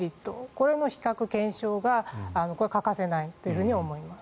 これの比較検証が欠かせないと思います。